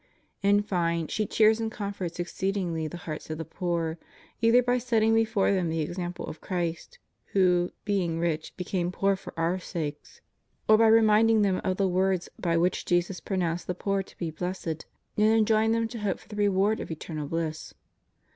In fine, she cheers and comforts exceedingly the hearts of the poor, either by setting before them the example of Christ, who, being rich became poor for our sakes,^ or by reminding them of the words by which Jesus pro nounced the poor to be blessed, and enjoined them to hope for the reward of eternal bliss.